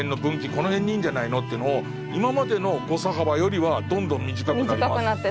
この辺にいんじゃないのっていうのを今までの誤差幅よりはどんどん短くなりますよね。